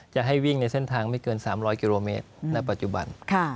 จะให้วิ่งในเส้นทางไม่เกิน๓๐๐กิโลเมตรณปัจจุบัน